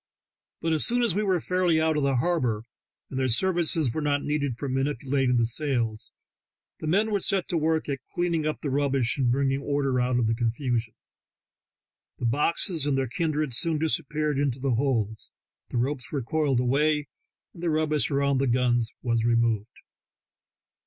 But as soon as we were fairly out of the harbor, and their services were not needed for manipulating the sails, the men were set to work at clearing up the rubbish and bringing order out of the confusion. The boxes and their kindred soon disappeared into the holds, the ropes were coiled away, and the rubbish around the guns was removed.